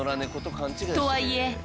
とはいえ。